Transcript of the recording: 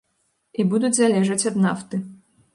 І будуць залежаць ад нафты.